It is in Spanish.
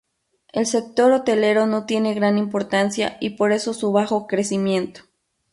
El sector hotelero no tiene gran importancia y por eso su bajo crecimiento.